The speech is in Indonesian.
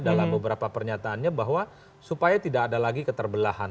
dalam beberapa pernyataannya bahwa supaya tidak ada lagi keterbelahan